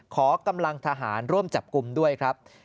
ขอกำลังทหารร่วมจับกลุ่มด้วยครับ